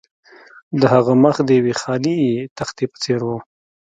د هغه مخ د یوې خالي تختې په څیر و